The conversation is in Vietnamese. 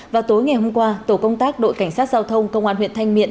vào tối ngày hôm qua tổ công tác đội cảnh sát giao thông công an huyện thanh miện